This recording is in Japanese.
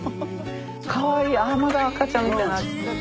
かわいいまだ赤ちゃんみたいな。